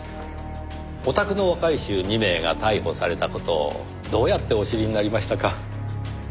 おたくの若い衆２名が逮捕された事をどうやってお知りになりましたか？